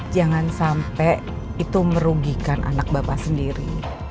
jangan sampai itu merugikan anak bapak sendiri